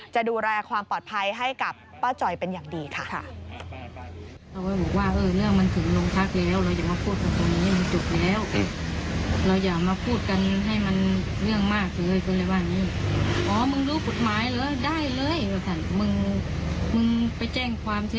จะดูแลความปลอดภัยให้กับป้าจอยเป็นอย่างดีค่ะ